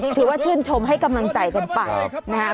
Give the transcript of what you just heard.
ก็ถือว่าชื่นชมให้กำลังใจกันป่ะนะฮะ